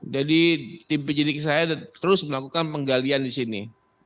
jadi penyidik saya terus melakukan penggalian di sini